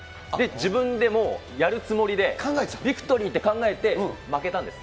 自分でもうやるつもりで、ヴィクトリーって考えて、負けたんです。